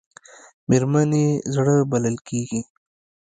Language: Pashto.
مېرمنې یې زړه بلل کېږي .